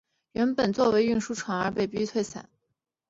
原本作为输送船团而被逼撤退。